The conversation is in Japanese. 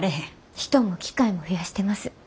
人も機械も増やしてます。